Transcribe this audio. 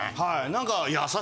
何か。